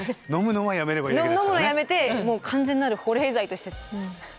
飲むのはやめてもう完全なる保冷剤として。